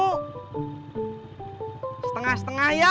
hai setengah setengah ya